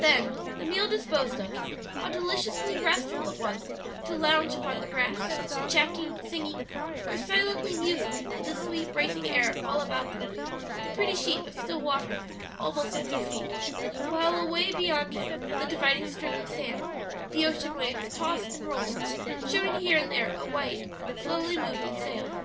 Then, the meal disposed of, how deliciously restful it was to lounge upon the grass, chatting, singing, or silently musing with the sweet, bracing air all about them, the pretty sheet of still water almost at their feet, while away beyond it and the dividing strip of sand the ocean waves tossed and rolled, showing here and there a white, slowly moving sail.